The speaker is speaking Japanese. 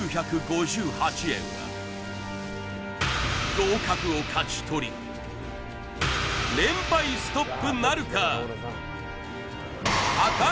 合格を勝ち取り連敗ストップなるか？